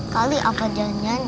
pasti bapak itu sakitan banget